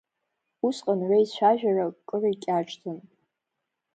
Усҟан реицәажәара кыр икьаҿӡан.